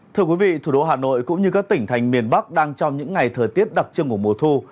thưa quý vị thủ đô hà nội cũng như các tỉnh thành miền bắc đang trong những ngày thời tiết đặc trưng của mùa thu